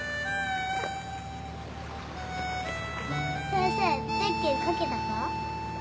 先生ゼッケン書けたか？